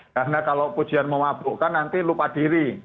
karena kalau pujian memabukkan nanti lupa diri